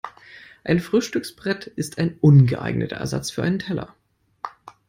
Ein Frühstücksbrett ist ein ungeeigneter Ersatz für einen Teller.